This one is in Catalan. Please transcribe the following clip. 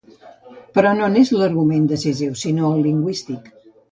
Però no n'és l'argument decisiu, sinó el lingüístic.